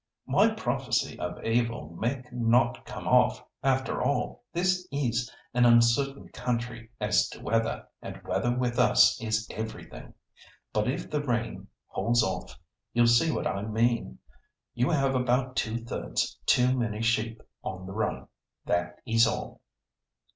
"My prophecy of evil may not come off, after all. This is an uncertain country as to weather, and weather with us is everything. But if the rain holds off, you'll see what I mean. You have about two thirds too many sheep on the run. That is all."